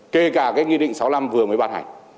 kể cả cái nghị định sáu mươi năm vừa mới ban hành